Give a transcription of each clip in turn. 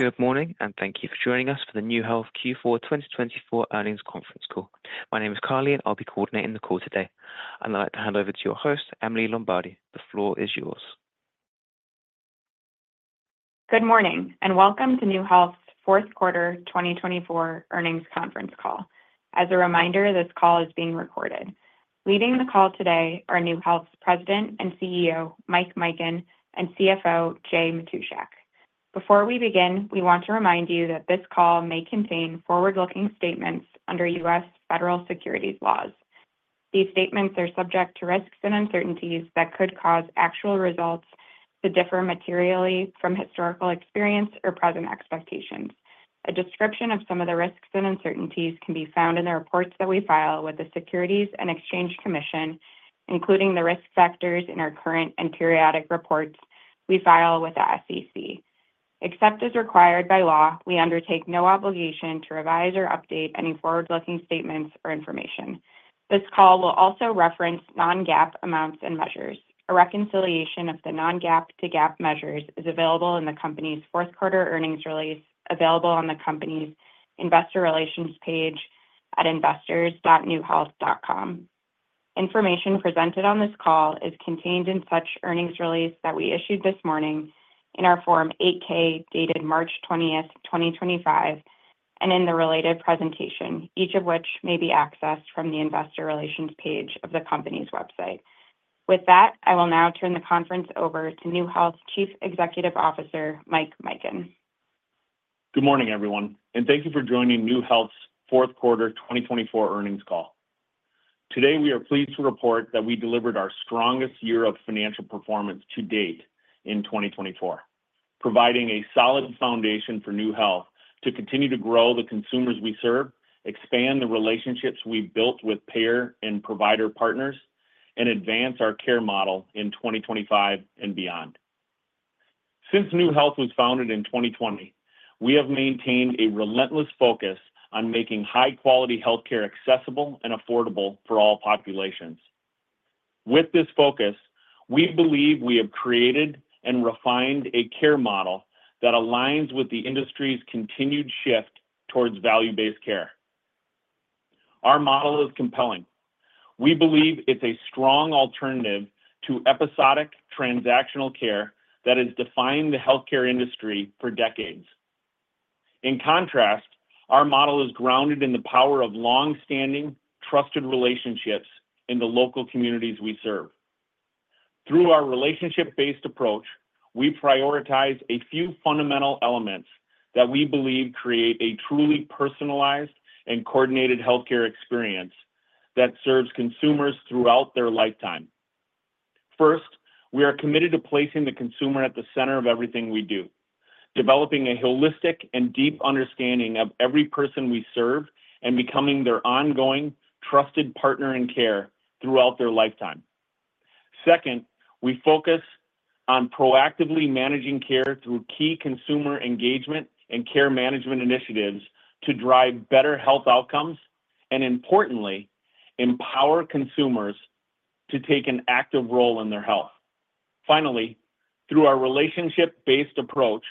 Good morning, and thank you for joining us for the NeueHealth Q4 2024 earnings conference call. My name is Carly, and I'll be coordinating the call today. I'd like to hand over to your host, Emily Lombardi. The floor is yours. Good morning, and welcome to NeueHealth's Q4 2024 earnings conference call. As a reminder, this call is being recorded. Leading the call today are NeueHealth's President and CEO, Mike Mikan, and CFO, Jay Matushak. Before we begin, we want to remind you that this call may contain forward-looking statements under U.S. federal securities laws. These statements are subject to risks and uncertainties that could cause actual results to differ materially from historical experience or present expectations. A description of some of the risks and uncertainties can be found in the reports that we file with the Securities and Exchange Commission, including the risk factors in our current and periodic reports we file with the SEC. Except as required by law, we undertake no obligation to revise or update any forward-looking statements or information. This call will also reference non-GAAP amounts and measures. A reconciliation of the non-GAAP to GAAP measures is available in the company's Q4 earnings release, available on the company's investor relations page at investors.neuehealth.com. Information presented on this call is contained in such earnings release that we issued this morning in our Form 8-K dated March 20, 2025, and in the related presentation, each of which may be accessed from the investor relations page of the company's website. With that, I will now turn the conference over to NeueHealth Chief Executive Officer, Mike Mikan. Good morning, everyone, and thank you for joining NeueHealth's Q4 2024 earnings call. Today, we are pleased to report that we delivered our strongest year of financial performance to date in 2024, providing a solid foundation for NeueHealth to continue to grow the consumers we serve, expand the relationships we've built with payer and provider partners, and advance our care model in 2025 and beyond. Since NeueHealth was founded in 2020, we have maintained a relentless focus on making high-quality healthcare accessible and affordable for all populations. With this focus, we believe we have created and refined a care model that aligns with the industry's continued shift towards value-based care. Our model is compelling. We believe it's a strong alternative to episodic transactional care that has defined the healthcare industry for decades. In contrast, our model is grounded in the power of long-standing, trusted relationships in the local communities we serve. Through our relationship-based approach, we prioritize a few fundamental elements that we believe create a truly personalized and coordinated healthcare experience that serves consumers throughout their lifetime. First, we are committed to placing the consumer at the center of everything we do, developing a holistic and deep understanding of every person we serve, and becoming their ongoing, trusted partner in care throughout their lifetime. Second, we focus on proactively managing care through key consumer engagement and care management initiatives to drive better health outcomes and, importantly, empower consumers to take an active role in their health. Finally, through our relationship-based approach,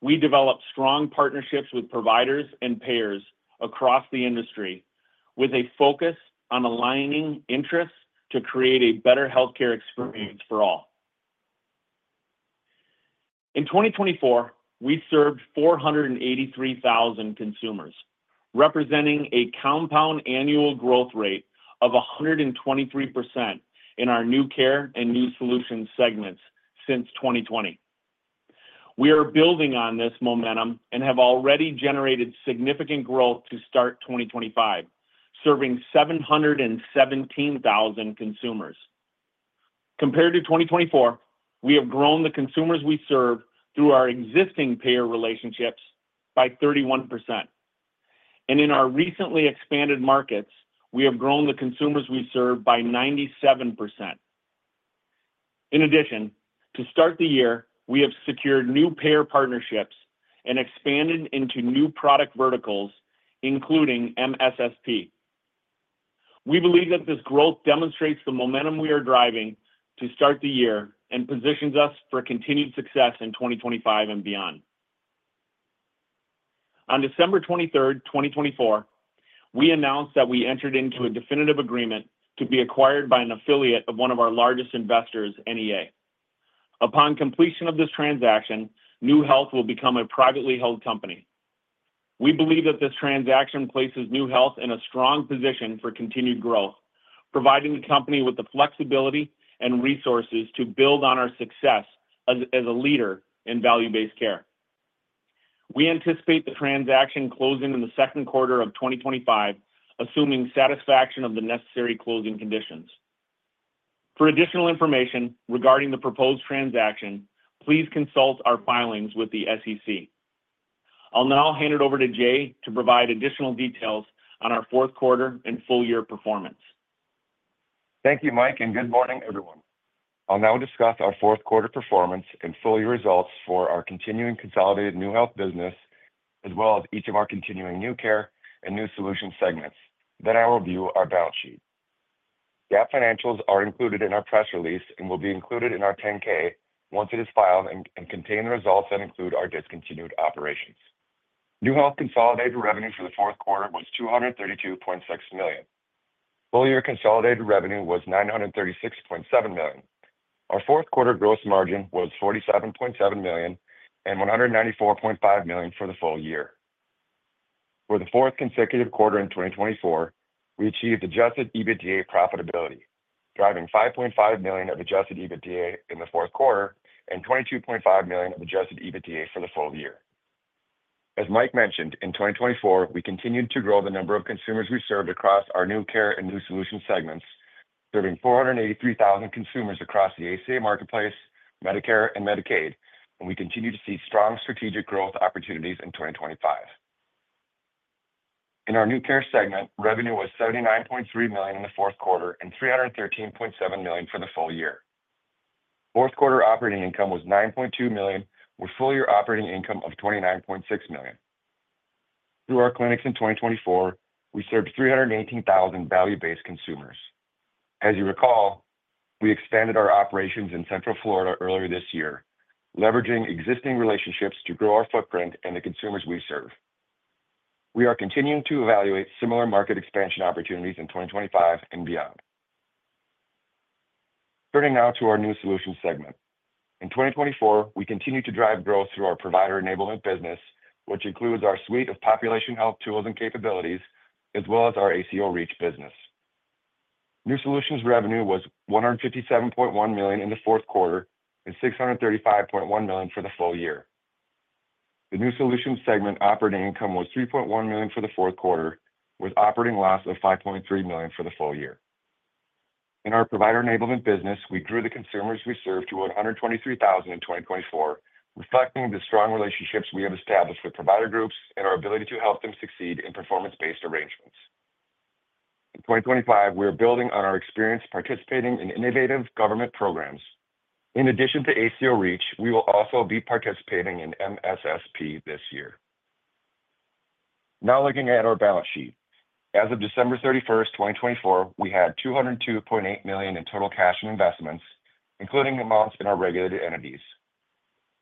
we develop strong partnerships with providers and payers across the industry, with a focus on aligning interests to create a better healthcare experience for all. In 2024, we served 483,000 consumers, representing a compound annual growth rate of 123% in our NeueCare and NeueSolutions segments since 2020. We are building on this momentum and have already generated significant growth to start 2025, serving 717,000 consumers. Compared to 2024, we have grown the consumers we serve through our existing payer relationships by 31%. In our recently expanded markets, we have grown the consumers we serve by 97%. In addition, to start the year, we have secured new payer partnerships and expanded into new product verticals, including MSSP. We believe that this growth demonstrates the momentum we are driving to start the year and positions us for continued success in 2025 and beyond. On December 23, 2024, we announced that we entered into a definitive agreement to be acquired by an affiliate of one of our largest investors, NEA. Upon completion of this transaction, NeueHealth will become a privately held company. We believe that this transaction places NeueHealth in a strong position for continued growth, providing the company with the flexibility and resources to build on our success as a leader in value-based care. We anticipate the transaction closing in the Q2 of 2025, assuming satisfaction of the necessary closing conditions. For additional information regarding the proposed transaction, please consult our filings with the SEC. I'll now hand it over to Jay to provide additional details on our Q4 and full year performance. Thank you, Mike, and good morning, everyone. I'll now discuss our Q4 performance and full year results for our continuing consolidated NeueHealth business, as well as each of our continuing NeueCare and NeueSolutions segments. Then I'll review our balance sheet. GAAP financials are included in our press release and will be included in our 10-K once it is filed and contain the results that include our discontinued operations. NeueHealth consolidated revenue for the Q4 was $232.6 million. Full year consolidated revenue was $936.7 million. Our Q4 gross margin was $47.7 million and $194.5 million for the full year. For the fourth consecutive quarter in 2024, we achieved adjusted EBITDA profitability, driving $5.5 million of adjusted EBITDA in the Q4 and $22.5 million of adjusted EBITDA for the full year. As Mike mentioned, in 2024, we continued to grow the number of consumers we served across our NeueCare and NeueSolutions segments, serving 483,000 consumers across the ACA marketplace, Medicare, and Medicaid, and we continue to see strong strategic growth opportunities in 2025. In our NeueCare segment, revenue was $79.3 million in the Q4 and $313.7 million for the full year. Q4 operating income was $9.2 million, with full year operating income of $29.6 million. Through our clinics in 2024, we served 318,000 value-based consumers. As you recall, we expanded our operations in Central Florida earlier this year, leveraging existing relationships to grow our footprint and the consumers we serve. We are continuing to evaluate similar market expansion opportunities in 2025 and beyond. Turning now to our NeueSolutions segment. In 2024, we continue to drive growth through our provider enablement business, which includes our suite of population health tools and capabilities, as well as our ACO REACH business. NeueSolutions revenue was $157.1 million in the Q4 and $635.1 million for the full year. The NeueSolutions segment operating income was $3.1 million for the Q4, with operating loss of $5.3 million for the full year. In our provider enablement business, we grew the consumers we served to 123,000 in 2024, reflecting the strong relationships we have established with provider groups and our ability to help them succeed in performance-based arrangements. In 2025, we are building on our experience participating in innovative government programs. In addition to ACO REACH, we will also be participating in MSSP this year. Now looking at our balance sheet. As of December 31, 2024, we had $202.8 million in total cash and investments, including amounts in our regulated entities.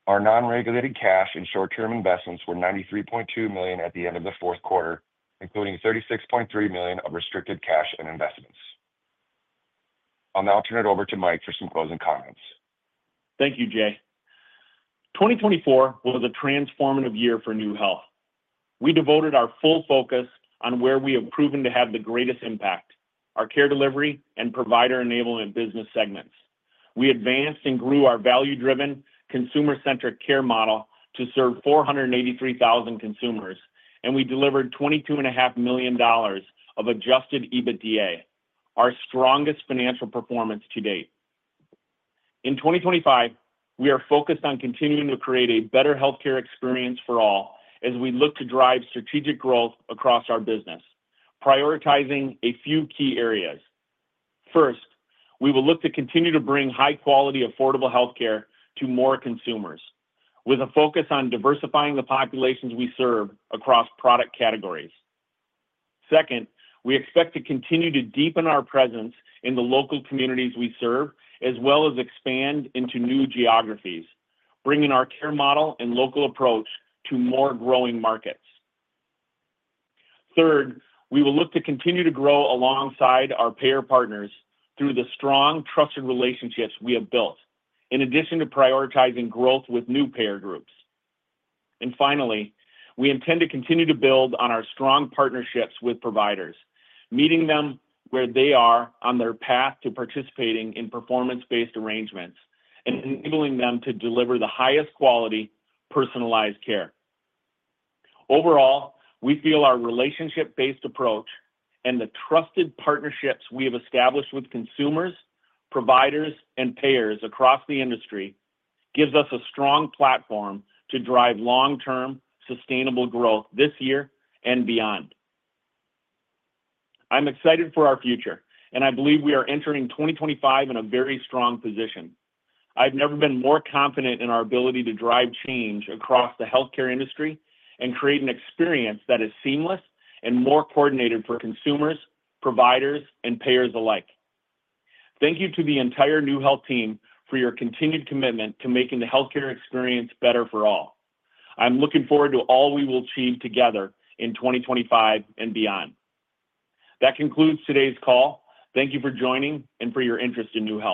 Our non-regulated cash and short-term investments were $93.2 million at the end of the Q4, including $36.3 million of restricted cash and investments. I'll now turn it over to Mike for some closing comments. Thank you, Jay. 2024 was a transformative year for NeueHealth. We devoted our full focus on where we have proven to have the greatest impact: our care delivery and provider enablement business segments. We advanced and grew our value-driven, consumer-centric care model to serve 483,000 consumers, and we delivered $22.5 million of adjusted EBITDA, our strongest financial performance to date. In 2025, we are focused on continuing to create a better healthcare experience for all as we look to drive strategic growth across our business, prioritizing a few key areas. First, we will look to continue to bring high-quality, affordable healthcare to more consumers, with a focus on diversifying the populations we serve across product categories. Second, we expect to continue to deepen our presence in the local communities we serve, as well as expand into new geographies, bringing our care model and local approach to more growing markets. Third, we will look to continue to grow alongside our payer partners through the strong, trusted relationships we have built, in addition to prioritizing growth with new payer groups. Finally, we intend to continue to build on our strong partnerships with providers, meeting them where they are on their path to participating in performance-based arrangements and enabling them to deliver the highest quality personalized care. Overall, we feel our relationship-based approach and the trusted partnerships we have established with consumers, providers, and payers across the industry gives us a strong platform to drive long-term sustainable growth this year and beyond. I'm excited for our future, and I believe we are entering 2025 in a very strong position. I've never been more confident in our ability to drive change across the healthcare industry and create an experience that is seamless and more coordinated for consumers, providers, and payers alike. Thank you to the entire NeueHealth team for your continued commitment to making the healthcare experience better for all. I'm looking forward to all we will achieve together in 2025 and beyond. That concludes today's call. Thank you for joining and for your interest in NeueHealth.